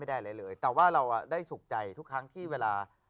ได้อะไรเลยแต่ว่าเราได้สุขใจทุกครั้งที่เวลา